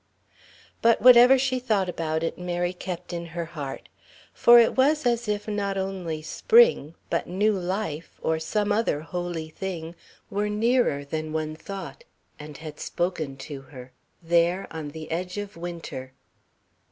But whatever she thought about it, Mary kept in her heart. For it was as if not only Spring, but new life, or some other holy thing were nearer than one thought and had spoken to her, there on the edge of Winter.